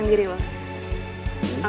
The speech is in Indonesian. nama itu apa